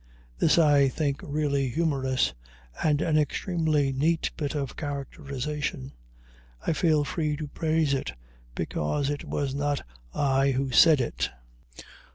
This I think really humorous, and an extremely neat bit of characterization; I feel free to praise it, because it was not I who said it.